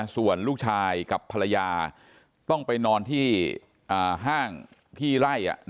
ส่วนลูกชายกับภรรยาต้องไปนอนที่ห้างที่ไล่